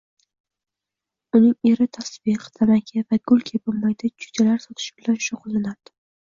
Uning eri tasbeh, tamaki va gul kabi mayda-chuydalar sotish bilan shug`ullanardi